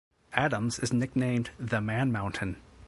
Adams is nicknamed "The Man Mountain".